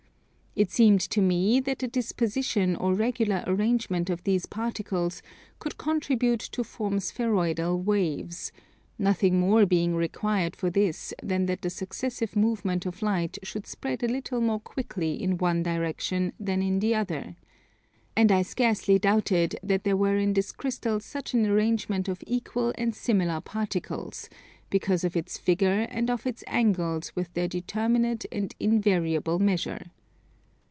It seemed to me that the disposition or regular arrangement of these particles could contribute to form spheroidal waves (nothing more being required for this than that the successive movement of light should spread a little more quickly in one direction than in the other) and I scarcely doubted that there were in this crystal such an arrangement of equal and similar particles, because of its figure and of its angles with their determinate and invariable measure.